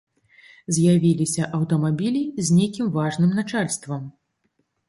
З'явіліся аўтамабілі з нейкім важным начальствам.